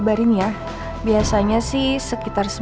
biar gua bisa nolak permintaan riki